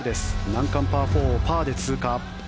難関パー４をパーで通過。